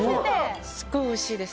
すっごいおいしいです。